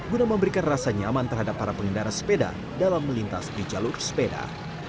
guna memberikan rasa nyaman terhadap para pengendara sepeda dalam melintas di jalur sepeda